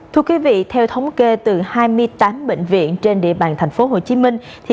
thưa quý vị theo thống kê từ hai mươi tám bệnh viện trên địa bàn thành phố hồ chí minh